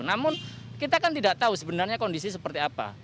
namun kita kan tidak tahu sebenarnya kondisi seperti apa